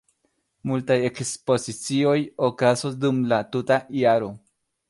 Multaj ekspozicioj okazos dum la tuta jaro.